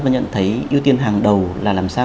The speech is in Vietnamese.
và nhận thấy ưu tiên hàng đầu là làm sao